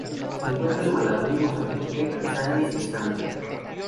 Se encuentra en Malawi, Mozambique, Tanzania y Zambia.